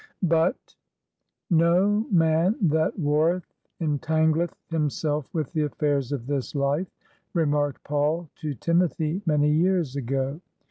But— No man that warreth entangleth himself with the affairs of this life," remarked Paul to Timothy many years ago.